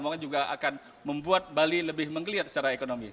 ini akan membuat bali lebih menggeliat secara ekonomi